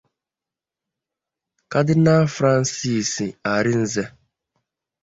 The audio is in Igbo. Cardinal Francis Arinze